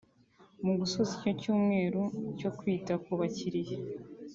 Mu gusoza iki cyumweru cyo kwita ku bakiriya